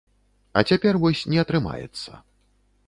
А цяпер вось не атрымаецца.